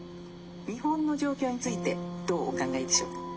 「日本の状況についてどうお考えでしょうか？」。